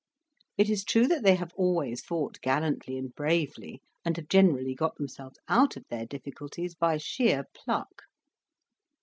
It is true that they have always fought gallantly and bravely, and have generally got themselves out of their difficulties by sheer pluck."